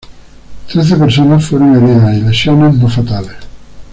Trece personas fueron heridas y lesiones no fatales.